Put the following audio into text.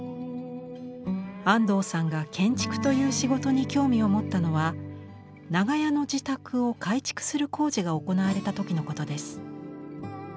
安藤さんが建築という仕事に興味を持ったのは長屋の自宅を改築する工事が行われた時のことです。